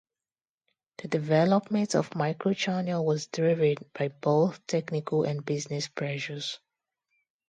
The development of Micro Channel was driven by both technical and business pressures.